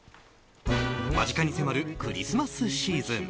間近に迫るクリスマスシーズン。